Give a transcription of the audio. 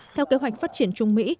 theo kế hoạch phát triển trung mỹ